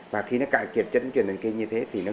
và khi nó cạn kiệt chất dẫn truyền thần kinh như thế thì nó